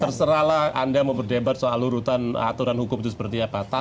terserahlah anda mau berdebat soal urutan aturan hukum itu seperti apa